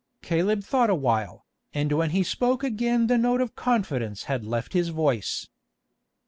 Caleb thought a while, and when he spoke again the note of confidence had left his voice.